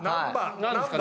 何ですか？